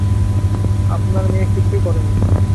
আপনার মেয়ে কিছুই করেনি।